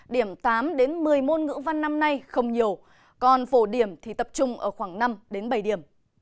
điểm tám một mươi môn ngữ văn năm nay không nhiều còn phổ điểm thì tập trung ở khoảng năm bảy điểm